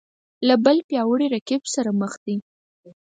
له بل پیاوړي رقیب سره مخ دی